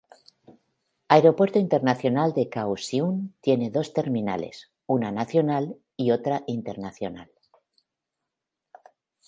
Aeropuerto Internacional de Kaohsiung tiene dos terminales: una nacional, y otra internacional.